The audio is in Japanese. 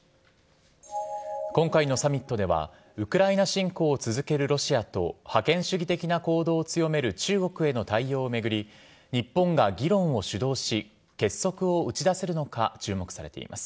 今回のサミットでは、ウクライナ侵攻を続けるロシアと、覇権主義的な行動を強める中国への対応を巡り、日本が議論を主導し、結束を打ち出せるのか、注目されています。